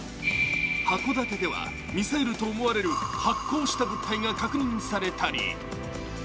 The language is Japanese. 函館ではミサイルと思われる発光りした物体が確認されたり。